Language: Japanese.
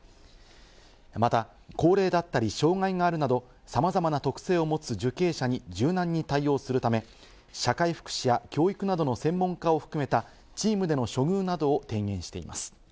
また、高齢だったり、障害があるなど、さまざまな特性を持つ受刑者に柔軟に対応するため、社会福祉や教育などの専門家を含めたチームでの処遇などを提言しています。